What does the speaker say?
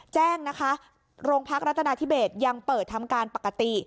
แจ้งนะคะโรงพักรัฐนาธิเบสยังเปิดทำการปกติ